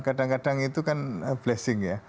kadang kadang itu kan blessing ya